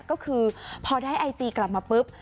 ก็คือพอได้ไอจีกลับมาปุ๊บ